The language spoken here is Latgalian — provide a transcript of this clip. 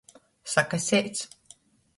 Sakaseits.